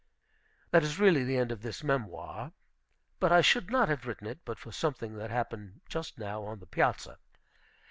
That is really the end of this memoir. But I should not have written it, but for something that happened just now on the piazza.